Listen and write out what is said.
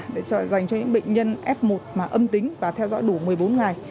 để dành cho những bệnh nhân f một mà âm tính và theo dõi đủ một mươi bốn ngày